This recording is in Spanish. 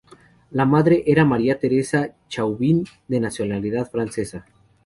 La madre era María Teresa Chauvin, de nacionalidad francesa.